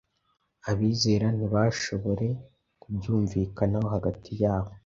abizera ntibashobore kubyumvikanaho hagati yabo,